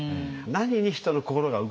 何に人の心が動くか